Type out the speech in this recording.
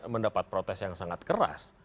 mendapat protes yang sangat keras